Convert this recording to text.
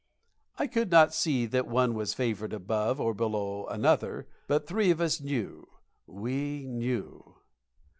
I could not see that one was favored above or below another but three of us knew we knew.